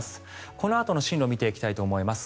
このあとの進路を見ていきたいと思います。